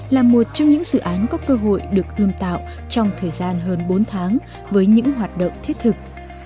là một trong những dự án có cơ hội được ươm tạo trong thời gian hơn bốn tháng với những hoạt động thiết thực